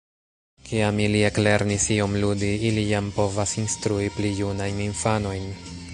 Kiam ili eklernis iom ludi, ili jam povas instrui pli junajn infanojn.